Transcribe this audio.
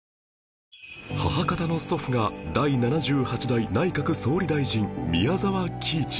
母方の祖父が第７８代内閣総理大臣宮澤喜一